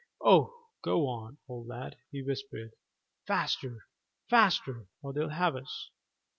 "Oh, go on, old lad," he whispered; "faster, faster, or they'll have us."